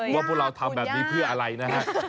ว่าพวกเราทำแบบนี้เพื่ออะไรนะฮะ